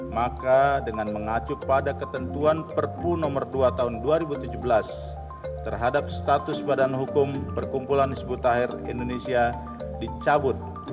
maka dengan mengacu pada ketentuan perpu nomor dua tahun dua ribu tujuh belas terhadap status badan hukum perkumpulan hizbut tahir indonesia dicabut